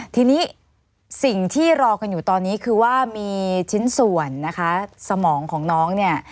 ทีนี้สิ่งที่รอกันอยู่ตอนนี้คือว่ามีชิ้นส่วนนะคะสมองของน้องเนี่ย